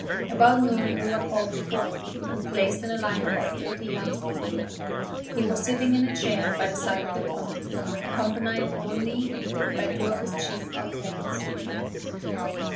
About noon we were called before him, and placed in a line about thirty yards from him. He was sitting in a chair by the side of the pond, accompanied only by two of his chief alcaides.